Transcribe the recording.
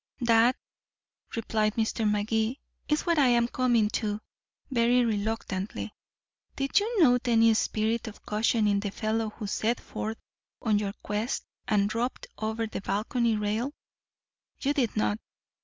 "That," replied Mr. Magee, "is what I'm coming to very reluctantly. Did you note any spirit of caution in the fellow who set forth on your quest, and dropped over the balcony rail? You did not.